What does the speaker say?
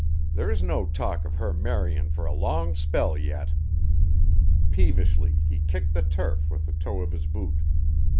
There's no talk of her marryin' for a long spell yet." Peevishly he kicked the turf with the toe of his boot.